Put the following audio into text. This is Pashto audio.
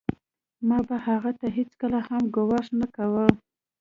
ما به هغه ته هېڅکله هم ګواښ نه کاوه